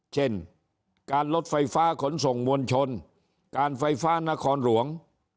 เช่นการลดไฟฟ้าขนส่งมวลชนการไฟฟ้านครหลวง